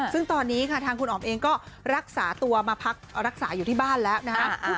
ซึ่งตอนนี้ค่ะทางคุณอ๋อมเองก็รักษาตัวมาพักรักษาอยู่ที่บ้านแล้วนะครับ